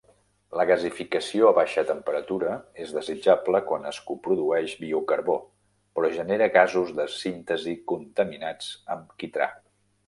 La gasificació a baixa temperatura és desitjable quan es coprodueix biocarbó, però genera gasos de síntesi contaminats amb quitrà.